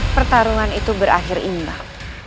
pertarungan itu berakhir imbang